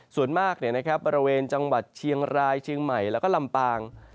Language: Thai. ส่วนมากบริเวณจังหวัดเชียงรายเชียงใหม่แล้วก็ลำปาง